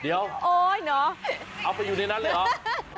เดี๋ยวเอาไปอยู่ในนั้นเลยหรือ